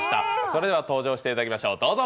それでは登場していただきましょう、どうぞ。